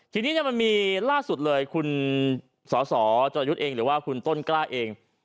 ทีนี้มันมีล่าสุดเลยคุณสสจรยุทธ์เองหรือว่าคุณต้นกล้าเอง